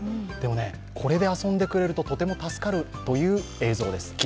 でも、これで遊んでくれると、とても助かるという映像です。